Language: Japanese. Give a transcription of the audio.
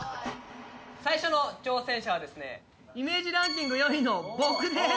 最初の挑戦者はですねイメージランキング４位の僕です！